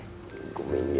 ごめんよ。